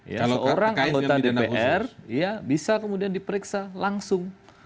seorang anggota dpr bisa kemudian diperiksa langsung